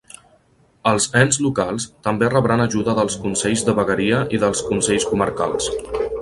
Els ens locals, també rebran ajuda dels consells de vegueria i dels consells comarcals.